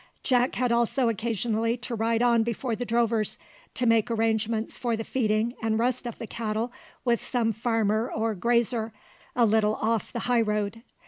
Jack had also occasionally to ride on before the drovers, to make arrangements for the feeding and rest of the cattle with some farmer or grazier a little off the high road.